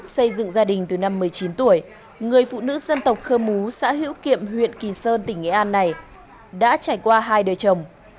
xây dựng gia đình từ năm một mươi chín tuổi người phụ nữ dân tộc khơ mú xã hữu kiệm huyện kỳ sơn tỉnh nghệ an này đã trải qua hai đời chồng